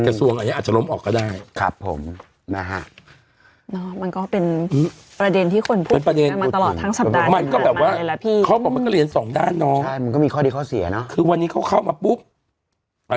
แต่จ้างงานเป็นคนไทยด้วยกันรึเปล่าไง